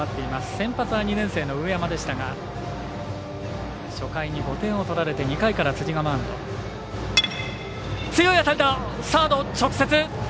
先発は２年生の上山でしたが初回に５点を取られて２回から辻がマウンド。